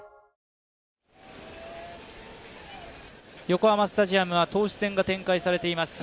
横浜スタジアムは投手戦が展開されています。